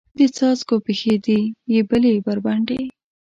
د څاڅکو پښې دي یبلې بربنډې